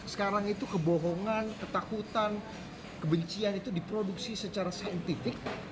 sekarang itu kebohongan ketakutan kebencian itu diproduksi secara saintifik